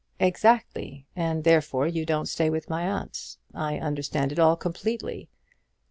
"Exactly; and therefore you don't stay with my aunt. I understand it all completely."